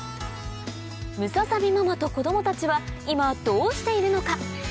ムササビママと子供たちは今どうしているのか？